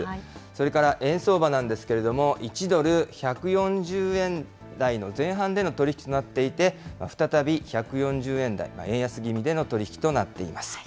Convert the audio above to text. それから円相場なんですけれども、１ドル１４０円台の前半での取り引きとなっていて、再び１４０円台、円安気味での取り引きとなっています。